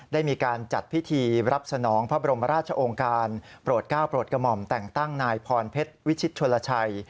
ได้มีการจัดพิธีรับสนองพระบรมราชองค์การโปรดก้าวโปรดกระหม่อมแต่งตั้งนายพรเพชรวิชิตชนลชัย